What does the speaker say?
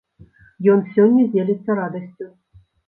Ён сёння дзеліцца радасцю.